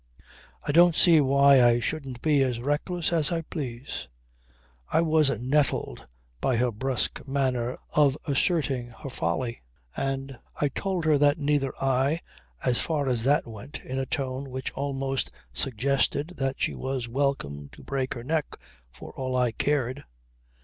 "I don't see why I shouldn't be as reckless as I please." I was nettled by her brusque manner of asserting her folly, and I told her that neither did I as far as that went, in a tone which almost suggested that she was welcome to break her neck for all I cared.